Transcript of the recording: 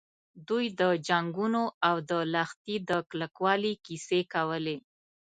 دوی د جنګونو او د لښتې د کلکوالي کیسې کولې.